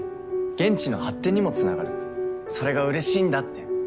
現地の発展にもつながるそれがうれしいんだって。